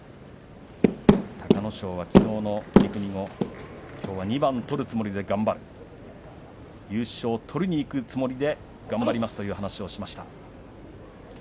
隆の勝はきのうの取組後きょうは２番取るつもりで頑張る優勝を取りにいくつもりで頑張りますと話をしました。